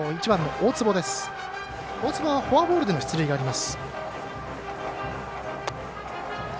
大坪はフォアボールでの出塁があります。